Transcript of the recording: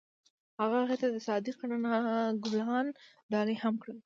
هغه هغې ته د صادق رڼا ګلان ډالۍ هم کړل.